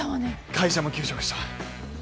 会社も休職した。